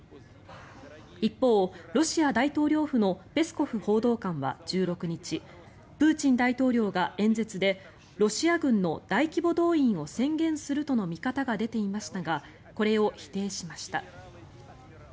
一方、ロシア大統領府のペスコフ報道官は１６日プーチン大統領が演説でロシア軍の大規模動員を宣言するとの見方が出ていましたがこれを否定しました。